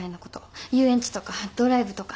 遊園地とかドライブとか。